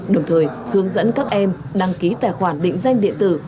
đồng thời hướng dẫn các em đăng ký tài khoản định danh điện tử